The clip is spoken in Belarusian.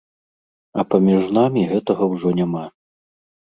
А паміж намі гэтага ўжо няма.